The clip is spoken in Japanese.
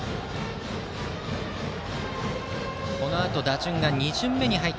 このあと打順が２巡目に入る